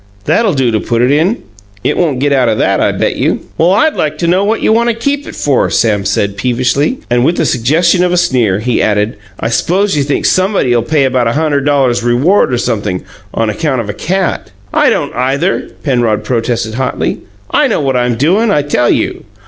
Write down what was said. "That'll do to put it in. It won't get out o' that, I bet you." "Well, I'd like to know what you want to keep it for," Sam said peevishly, and, with the suggestion of a sneer, he added, "I s'pose you think somebody'll pay about a hunderd dollars reward or something, on account of a cat!" "I don't, either!" Penrod protested hotly. "I know what I'm doin', I tell you."